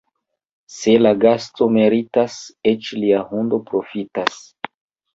Se la gasto meritas, eĉ lia hundo profitas.